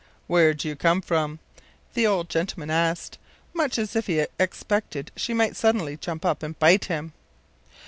“Where do you come from?” the old gentleman asked, much as if he expected she might suddenly jump up and bite him.